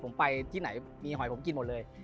ผมไปที่ไหนมีหอยผมกินหมดเลย